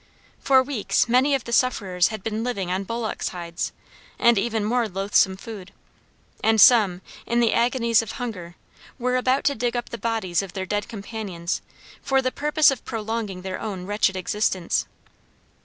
For weeks many of the sufferers had been living on bullocks' hides, and even more loathsome food, and some, in the agonies of hunger, were about to dig up the bodies of their dead companions for the purpose of prolonging their own wretched existence.